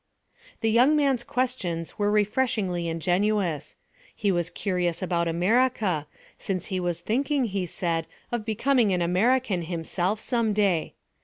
The young man's question's were refreshingly ingenuous. He was curious about America, since he was thinking, he said, of becoming an American himself some day.